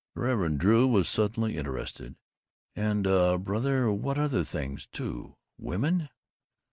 The Reverend Dr. Drew was suddenly interested. "And, uh, brother the other things, too? Women?"